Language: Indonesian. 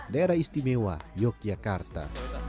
daerah istimewa yogyakarta